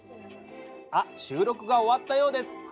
あ収録が終わったようです。